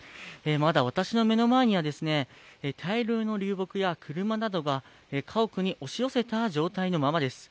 まだ私の目の前には大量の流木や車などが家屋に押し寄せた状態のままです。